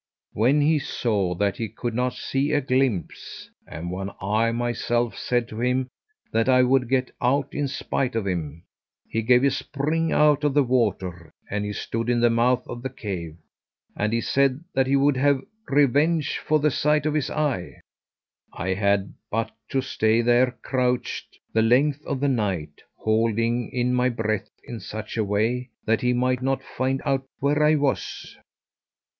"When he saw that he could not see a glimpse, and when I myself said to him that I would get out in spite of him, he gave a spring out of the water, and he stood in the mouth of the cave, and he said that he would have revenge for the sight of his eye. I had but to stay there crouched the length of the night, holding in my breath in such a way that he might not find out where I was.